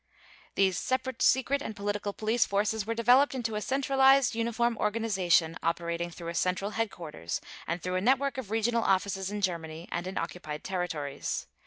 These separate secret and political police forces were developed into a centralized, uniform organization operating through a central headquarters and through a network of regional offices in Germany and in occupied territories.